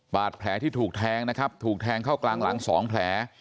บาดแผลที่ถูกแทงนะครับถูกแทงเข้ากลางหลัง๒แผล